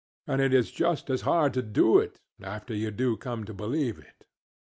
And it is just as hard to do it, after you do come to believe it.